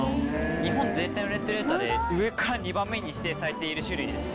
日本全体のレッドデータで上から２番目に指定されている種類です。